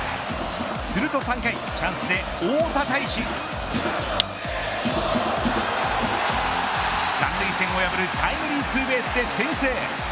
すると３回チャンスで大田泰示。三塁線を破るタイムリーツーベースで先制。